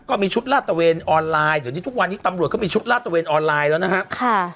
ก็มีชุดลาดตะเวนออนไลน์เดี๋ยวนี้ทุกวันนี้ตำรวจก็มีชุดลาดตะเวนออนไลน์แล้วนะครับ